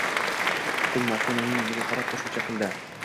So`ng Maftunaning yuziga qarab qo`shimcha qildi